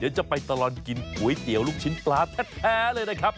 เดี๋ยวจะไปตลอดกินก๋วยเตี๋ยวลูกชิ้นปลาแท้เลยนะครับ